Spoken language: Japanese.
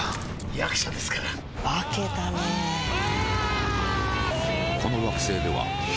役者ですから化けたねうわーーー！